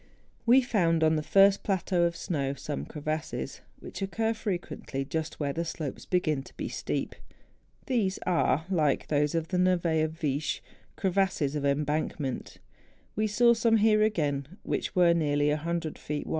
We found on the first plateau of snow some crevasses which occur frequently just where the slopes begin to be steep. These are, like those of the neve of Viesch, crevasses of embankment. We saw some here again which were nearly 100 feet 70 MOUNTAIN ADVENTURES.